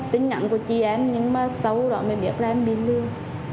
tính nhận của chị em nhưng mà xấu đó mới biết là em bị lừa